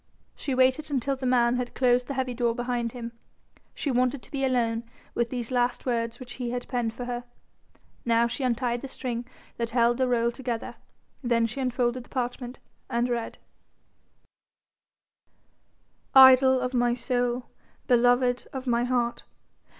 She waited until the man had closed the heavy door behind him: she wanted to be alone with these last words which he had penned for her. Now she untied the string that held the roll together, then she unfolded the parchment and read: "Idol of my soul, beloved of my heart.